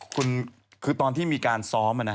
คุณคือตอนที่มีการซ้อม